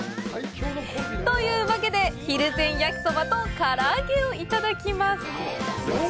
というわけでひるぜん焼きそばと唐揚げをいただきます！